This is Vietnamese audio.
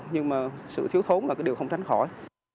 nhưng mà sự thiếu thốn là cái điều không tránh khỏi